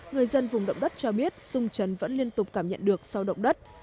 người dân vùng động đất cho biết rung trần vẫn liên tục cảm nhận được sau động đất